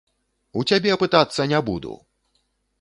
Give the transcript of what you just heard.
У цябе пытацца не буду!